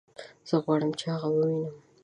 زه غواړم چې هغه ووينم